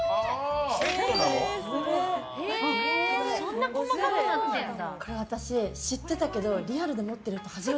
そんな細かくなっているんだ。